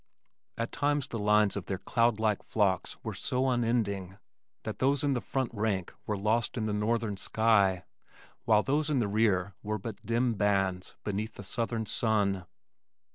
At times the lines of their cloud like flocks were so unending that those in the front rank were lost in the northern sky, while those in the rear were but dim bands beneath the southern sun.